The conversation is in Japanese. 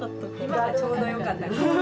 ・今がちょうどよかったかもね。